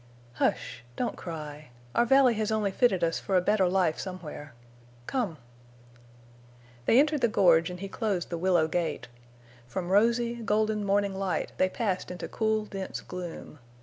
"Hush! Don't cry. Our valley has only fitted us for a better life somewhere. Come!" They entered the gorge and he closed the willow gate. From rosy, golden morning light they passed into cool, dense gloom.